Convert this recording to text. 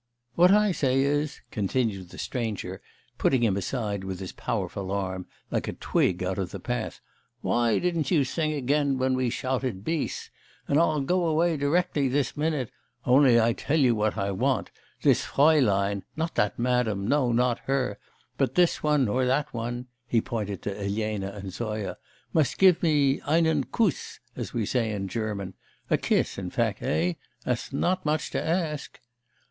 'What I say is,' continued the stranger, putting him aside with his powerful arm, like a twig out of the path 'why didn't you sing again when we shouted bis? And I'll go away directly, this minute, only I tell you what I want, this fräulein, not that madam, no, not her, but this one or that one (he pointed to Elena and Zoya) must give me einen Kuss, as we say in German, a kiss, in fact; eh? That's not much to ask.